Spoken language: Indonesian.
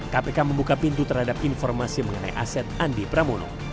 kpk membuka pintu terhadap informasi mengenai aset andi pramono